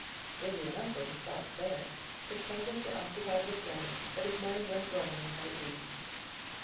Busy enough were his thoughts there. His fingers were occupied with writing, but his mind went roaming without leave.